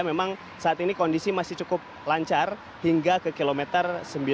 memang saat ini kondisi masih cukup lancar hingga ke kilometer sembilan puluh